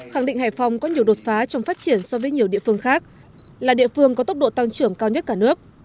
khẳng định hải phòng có nhiều đột phá trong phát triển so với nhiều địa phương khác là địa phương có tốc độ tăng trưởng cao nhất cả nước